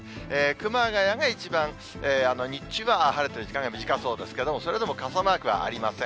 熊谷が一番、日中は晴れてる時間が短そうですけど、それでも傘マークはありません。